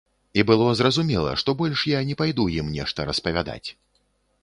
І было зразумела, што больш я не пайду ім нешта распавядаць.